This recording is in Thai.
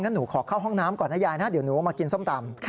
หนูขอเข้าห้องน้ำก่อนนะยายนะเดี๋ยวหนูมากินส้มตำ